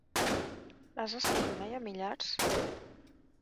Has estat mai a Millars?